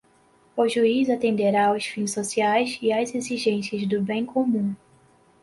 o juiz atenderá aos fins sociais e às exigências do bem comum